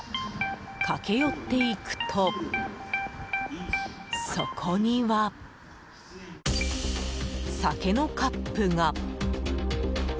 駆け寄っていくとそこには、酒のカップが！